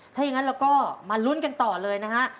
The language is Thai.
ถ้าอย่างนั้นเราก็มาลุ้นกันต่อเลยนะฮะ